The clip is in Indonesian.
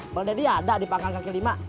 pembel deddy ada di panggang kaki lima